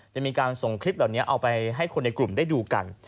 จะมีการส่งคลิปเหล่านี้เอาไปให้คนในกลุ่มได้ดูกัน